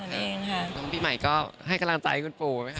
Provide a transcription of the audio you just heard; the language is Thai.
น้องปีใหม่ก็ให้กำลังใจคุณปู่ไหมคะ